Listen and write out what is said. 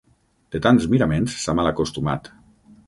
De tants miraments, s'ha malacostumat.